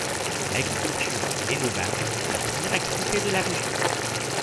L'agriculture et l'élevage sont la première activité de la région.